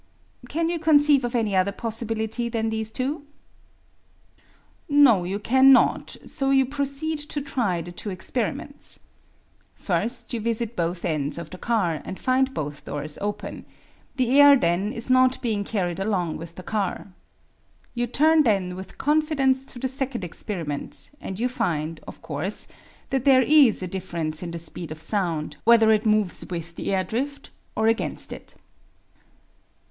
Can you conceive of any other possibility than these two? " No, you cannot, so you proceed to try the two experi 6 EASY LESSONS IN EINSTEIN ments. First you visit both ends of the car and find both doors open ; the air then is not being carried along with the car. You turn then with confidence to the second experiment and you find, of course, that there is a difference in the speed of sound whether it moves with the air drift or against it.